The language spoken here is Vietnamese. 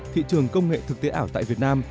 thị trường công nghệ thực tế ảo tại việt nam